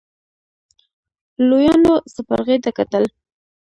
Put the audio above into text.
لويانو سپرغې ته کتل.